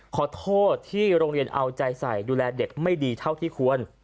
ขอโทษที่โรงเรียนเอาใจใส่ดูแลเด็กไม่ดีเท่าที่ควร